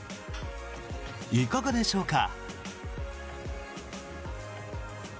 いかがでしょうか。